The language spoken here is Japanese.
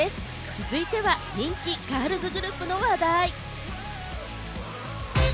続いては人気ガールズグループの話題。